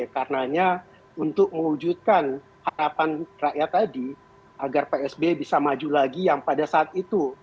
karenanya untuk mewujudkan harapan rakyat tadi agar psb bisa maju lagi yang pada saat itu